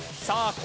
さあ